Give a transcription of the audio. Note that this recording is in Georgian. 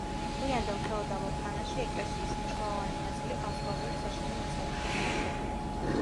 გვიანდელ ფეოდალურ ხანაში ეკლესიის მნიშვნელოვანი ნაწილი განსხვავებული საშენი მასალით განუახლებიათ.